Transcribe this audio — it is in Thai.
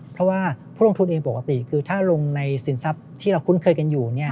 เพราะว่าผู้ลงทุนเองปกติคือถ้าลงในสินทรัพย์ที่เราคุ้นเคยกันอยู่